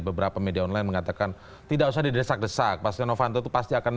terima kasih pak saramudi